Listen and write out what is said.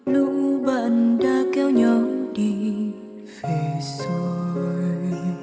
lúc bạn đã kéo nhau đi về rồi